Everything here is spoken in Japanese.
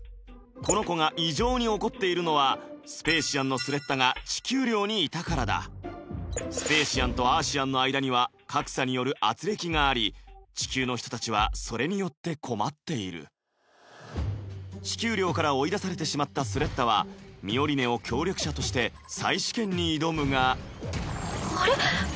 この子が異常に怒っているのはスペーシアンのスレッタが地球寮にいたからだスペーシアンとアーシアンの間には格差による軋轢があり地球の人たちはそれによって困っている地球寮から追い出されてしまったスレッタはミオリネを協力者として再試験に挑むがあれ？